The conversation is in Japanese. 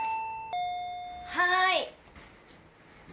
はい。